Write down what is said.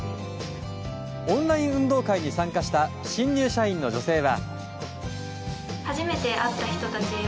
オンライン運動会に参加した新入社員の女性は。